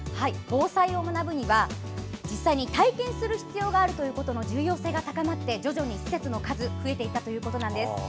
防災を学ぶには体験する必要があるということの重要性が高まったことから徐々に施設の数が増えていったということです。